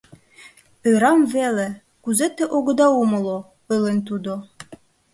— Ӧрам веле, кузе те огыда умыло, — ойлен тудо.